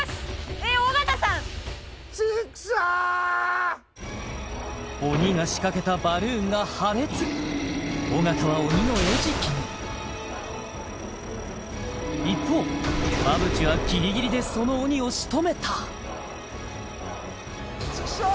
えっ尾形さん鬼が仕掛けたバルーンが破裂尾形は鬼の餌食に一方馬淵はギリギリでその鬼を仕留めたチクショー！